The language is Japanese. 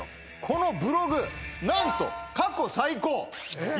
このブログ何と過去最高！